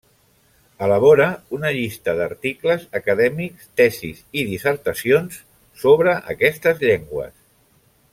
Elabora una llista d'articles acadèmics, tesis i dissertacions sobre aquestes llengües.